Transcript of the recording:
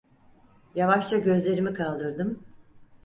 Yavaşça gözlerimi kaldırdım.